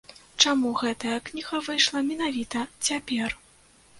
Чаму гэтая кніга выйшла менавіта цяпер?